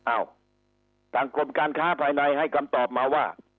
อ้าวทางกรมการค้าภายในให้คำตอบมาว่า